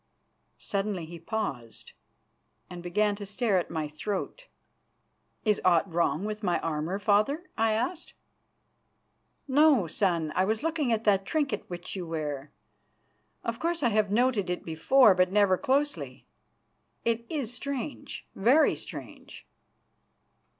Suddenly he paused, and began to stare at my throat. "Is aught wrong with my armour, Father?" I asked. "No, son. I was looking at that trinket which you wear. Of course I have noted it before, but never closely. It is strange, very strange!"